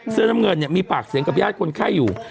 เสื้อน้ำเงินเนี่ยมีปากเสียงกับญาติคนไข้อยู่